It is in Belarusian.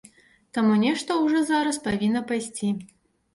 Таму нешта ўжо зараз павінна пайсці.